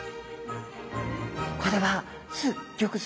これはすっギョくす